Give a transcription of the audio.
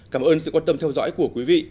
cảm ơn sự quan tâm theo dõi của quý vị